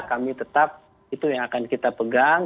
kami tetap itu yang akan kita pegang